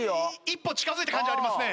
一歩近づいた感じありますね。